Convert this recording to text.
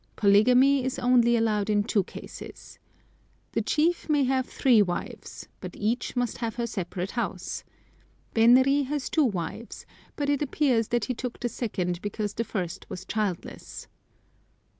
Polygamy is only allowed in two cases. The chief may have three wives; but each must have her separate house. Benri has two wives; but it appears that he took the second because the first was childless.